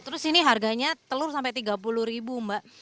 terus ini harganya telur sampai tiga puluh ribu mbak